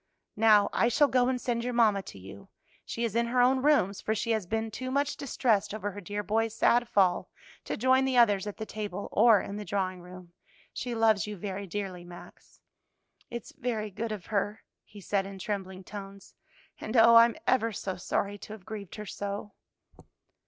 "Now, I shall go and send your mamma to you; she is in her own rooms, for she has been too much distressed over her dear boy's sad fall to join the others at the table or in the drawing room. She loves you very dearly, Max." "It's very good of her," he said in trembling tones, "and oh, I'm ever so sorry to have grieved her so!"